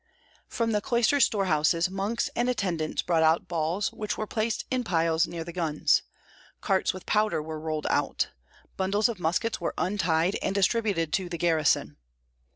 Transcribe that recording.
From the cloister storehouses monks and attendants brought out balls, which were placed in piles near the guns; carts with powder were rolled out; bundles of muskets were untied, and distributed to the garrison.